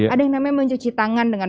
ada yang namanya mencuci tangan dengan